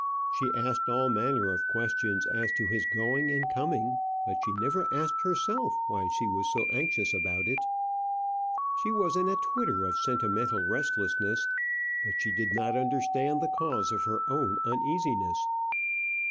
She asked all manner of questions as to his going and coming, but she never asked herself why she was so anxious about it. She was in a twitter of sentimental restlessness, but she did not understand the cause of her own uneasiness.